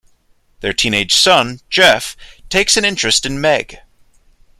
Their teenaged son, Jeff, takes an interest in Meg.